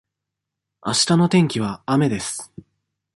あしたの天気は雨です。